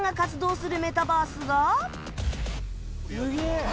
すげえ！